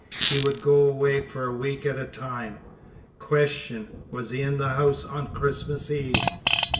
He would go away for a week at a time. Q. Was he in this house on Christmas Eve?